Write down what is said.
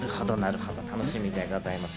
楽しみでございます。